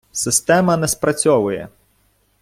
Система не спрацьовує.